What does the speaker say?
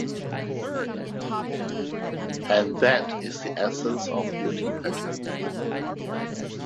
And that is the essence of beauty pageant.